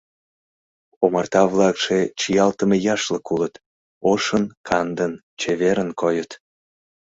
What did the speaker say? Омарта-влакше чиялтыме яшлык улыт: ошын, кандын, чеверын койыт.